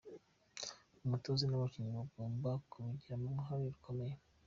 Umutoza n’abakinnyi bagomba kubigiramo uruhare rukomeye”.